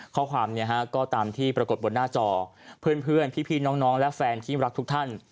ข้อความเนี่ยฮะก็ตามที่ปรากฏบนหน้าจอเพื่อนพี่น้องและแฟนที่รักทุกท่าน